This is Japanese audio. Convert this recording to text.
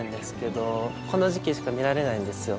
この時期しか見られないんですよ。